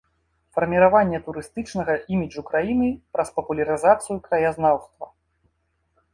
Фарміраванне турыстычнага іміджу краіны праз папулярызацыю краязнаўства.